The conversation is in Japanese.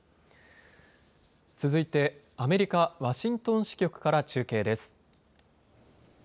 続いてアメリカワシントン支局から中継です。